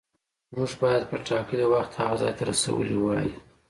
موږ باید په ټاکلي وخت هغه ځای ته رسولي وای.